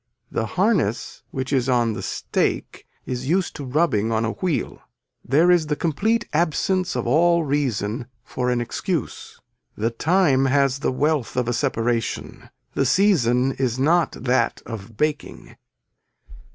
The harness which is on the stake is used to rubbing on a wheel. There is the complete absence of all reason for an excuse. The time has the wealth of a separation. The season is not that of baking.